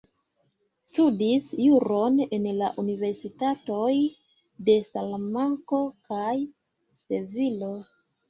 Studis juron en la universitatoj de Salamanko kaj Sevilo.